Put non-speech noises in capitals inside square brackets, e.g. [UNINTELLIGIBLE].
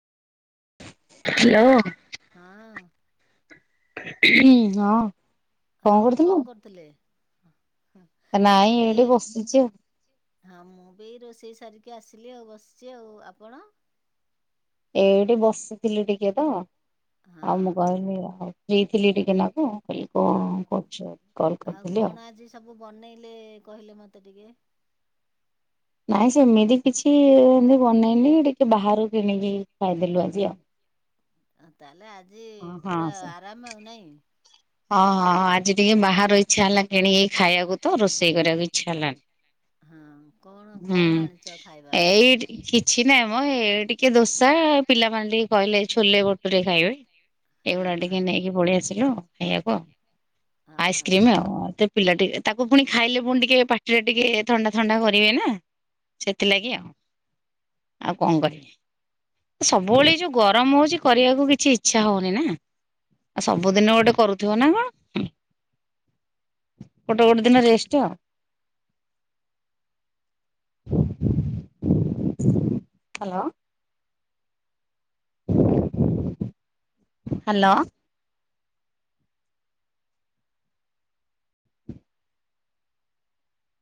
Hello. ହଁ। [UNINTELLIGIBLE] ହଁ କଣ କରୁଥୁଲୁ? ଏ ବସିଛି ଆଉ ହଁ ମୁଁ ବି ଏ ରୋଷେଇ ସାରି କି ଆସିଲି ଆଉ ବସିଚି। ଆଉ ଆପଣ? ଏଇଠି ବସିଥିଲି ଟିକେ ତ। ହଁ ଆଉ ମୁଁ କହିଲି ହୋଉ। ପିଇଥିଲି ଟିକେ ନାକୁ କହିଲି ହଁ କଣ କରୁଛୁ କଲ୍ ଆଉ କରିଥିଲି କଣ ଆଜି ସବୁ ବନେଇଲେ କହିଲେ ମତେ ଟିକେ? ନାଇଁ ସେମିତି କିଛି ଏମିତି ବନେଇନି ଟିକେ ବାହାରୁ କିଣିକି ଖାଇଦେଲୁ ଆଜି ଆଉ। ତାହେଲେ ଆଜି ହଁ ଆଜି ହଁ ପୁରା ସେ ଆରାମ ଆଉ ନହିଁକି? ହଁ ଯେ ଟିକେ ବାହାର ଇଛା ହେଲା କିଣିକି ଖାଇବାକୁ ତ ରୋଷେଇ କରିବାକୁ ଇଚ୍ଛା ହେଲାଣି ହଁ କଣ ହୁଁ କଣ ଆଣିଛ ଖାଇବା ପାଇଁ? ଏଇ କିଛି ନାାଇଁ ମ ଏ ଟିକେ ଦୋଷ ସ ପିଲାମାନେ ଟିକେ କହିଲେ ଛୋଲେ ବଟୁରେ ଖାଇବେ ହଁ ଏଗୁଡା ହଁ। ଟିକେ ନେଇକି ପଳେଇଆସିଲୁ। [UNINTELLIGIBLE] ଅ ହଁ ଆଇସ୍କ୍ରିମ ଆଉ ପିଲା ଟିକେ ତାକୁ ପୁଣି ଖାଇଲେ ପୁଣି ଟିକେ ପାଟିରେ ଟିକେ ଥଣ୍ଡା ଥଣ୍ଡା କରିବେ ନା ସେଥିଲାଗି ଆଉ ଆଉ କଣ କରିବି ସବୁବେଳେ ଯୋଉ ଗରମ ହଉଛି କରିବାକୁ କିଛି ଇଚ୍ଛା ହଉନି ନା ଆଉ ସବୁଦିନ ଗୋଟେ କରୁଥିବ ନା କଣ ଗୋଟେ ଗୋଟେ ଦିନ ରେଷ୍ଟ ଆଉ। [UNINTELLIGIBLE] Hello hello